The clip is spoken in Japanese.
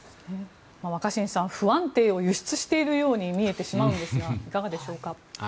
若新さん不安定を輸出しているように見えてしまうんですがいかがでしょうか。